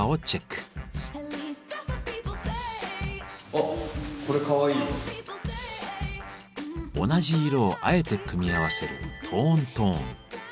あっ同じ色をあえて組み合わせる「トーントーン」。